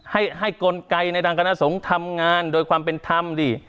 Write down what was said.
ให้กลไกในทางคณะสงฆ์ทำงานโดยความเป็นธรรมดิ